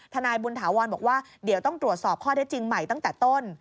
ทนายบุญถาวรบอกว่าเดี๋ยวต้องตรวจสอบข้อได้จริงใหม่ตั้งแต่ต้น